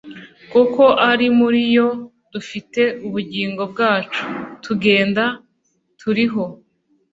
kuko ari muri yo dufite ubugingo bwacu, tugenda, turiho